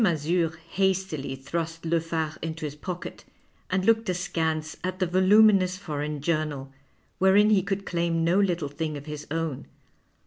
Mazure hastily thrust Le Phare into his pocket and looked askance at the voluminous foreign journal, wherein he could claim no little thing of his own.